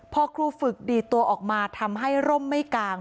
พอครูฝึกดีดตัวออกมาทำให้ร่มไม่กลาง